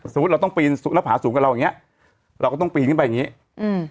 สมมุติเราต้องปีนแล้วผาสูงกับเราอย่างเงี้ยเราก็ต้องปีนขึ้นไปอย่างงี้อืม